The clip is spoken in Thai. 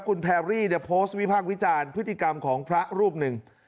คุณแพรรี่เนี่ยโพสต์วิพากษ์วิจารณ์พฤติกรรมของพระรูปหนึ่ง